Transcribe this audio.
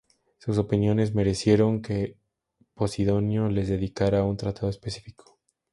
Sus opiniones merecieron que Posidonio les dedicara un tratado específico.